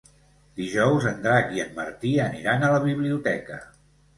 Dijous en Drac i en Martí aniran a la biblioteca.